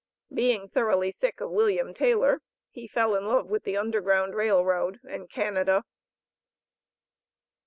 Being thoroughly sick of William Taylor, he fell in love with the Underground Rail Road and Canada.